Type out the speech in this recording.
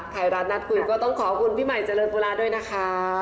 ไทยรัฐนัดคุยก็ต้องขอบคุณพี่ใหม่เจริญปุระด้วยนะคะ